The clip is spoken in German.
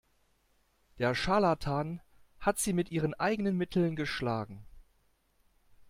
Der Scharlatan hat sie mit ihren eigenen Mitteln geschlagen.